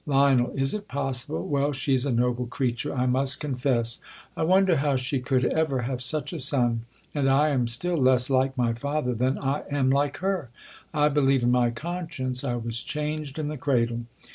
Lion. Is it possible ! Well, she's a noble creature, I must confess, I wonder how she could ever have such a son. And I am still less like my father than I am like her. I believe in my conscience I was changed in the cradle.